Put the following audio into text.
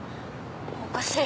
おかしい。